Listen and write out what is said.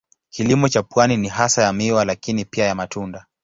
Kilimo cha pwani ni hasa ya miwa lakini pia ya matunda.